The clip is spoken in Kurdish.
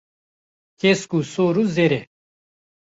Kesk û sor û zer e.